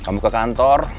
kamu ke kantor